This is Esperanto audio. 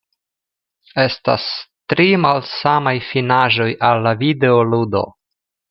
Estas tri malsamaj finaĵoj al la videoludo.